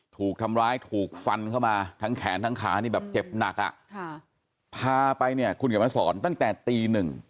ถูกทำร้ายถูกฟันเข้ามาทั้งแขนทั้งขานี่แบบเจ็บหนักอ่ะค่ะพาไปเนี่ยคุณเขียนมาสอนตั้งแต่ตีหนึ่ง